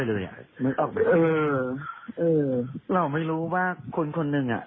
เราไม่รู้ว่าคนคนหนึ่งอะ